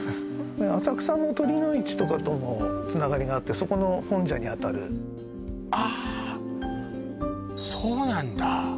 浅草の酉の市とかとのつながりがあってそこの本社にあたるああそうなんだ